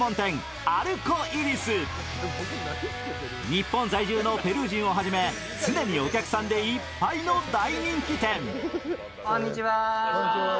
日本在住のペルー人をはじめ常にお客さんでいっぱいの大人気店。